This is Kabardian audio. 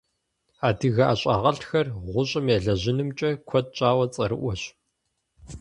Адыгэ ӀэщӀагъэлӀхэр гъущӀым елэжьынымкӀэ куэд щӀауэ цӀэрыӀуэщ.